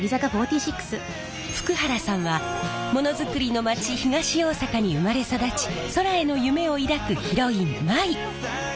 福原さんはものづくりの町東大阪に生まれ育ち空への夢を抱くヒロイン舞。